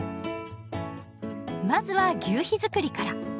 まずは求肥づくりから。